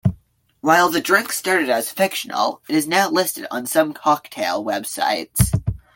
While the drink started as fictional, it is now listed on some cocktail websites.